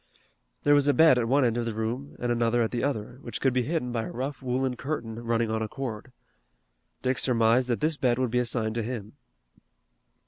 There was a bed at one end of the room and another at the other, which could be hidden by a rough woolen curtain running on a cord. Dick surmised that this bed would be assigned to him.